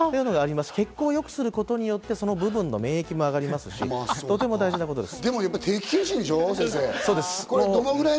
血行をよくすることで、その部分の免疫も上がるので、とても大事なことです。